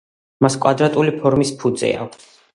მას კვადრატული ფორმის ფუძე აქვს.